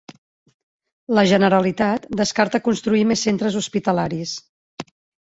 La Generalitat descarta construir més centres hospitalaris